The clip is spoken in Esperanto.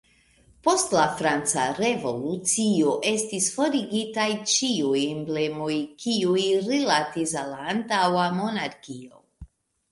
Post la Franca Revolucio estis forigitaj ĉiuj emblemoj, kiuj rilatis al la antaŭa monarkio.